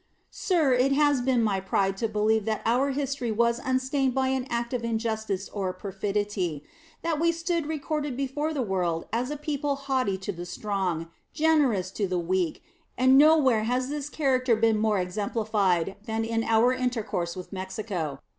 Sir, it has been my pride to believe that our history was unstained by an act of injustice or of perfidy; that we stood recorded before the world as a people haughty to the strong, generous to the weak; and nowhere has this character been more exemplified than in our intercourse with Mexico.